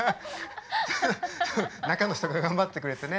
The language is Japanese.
中の人が頑張ってくれてね。